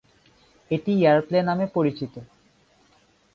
এটি "এয়ারপ্লে" নামে পরিচিত।